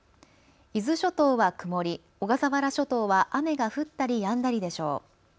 伊豆諸島は曇り、小笠原諸島小笠原諸島は雨が降ったりやんだりでしょう。